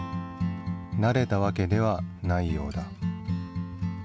慣れたわけではないようだ。